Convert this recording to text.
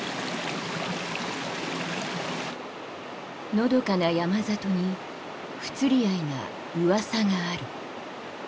のどかな山里に不釣り合いなうわさがある。